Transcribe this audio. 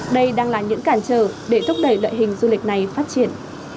đây đang là những cản trở để thúc đẩy loại hình du lịch này phát triển